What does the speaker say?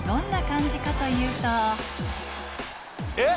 えっ⁉